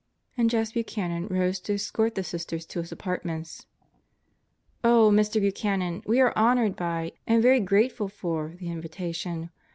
And Jess Buchanan rose to escort the Sisters to his apartments. "Oh, Mr. Buchanan, we are honored by, and very grateful for, the invitation.